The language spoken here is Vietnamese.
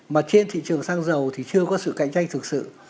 mà trên thị trường xăng dầu thì chưa có sự cạnh tranh thực sự